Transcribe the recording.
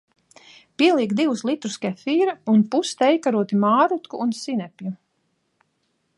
Pieliek divus litrus kefīra un pustējkaroti mārrutku un sinepju.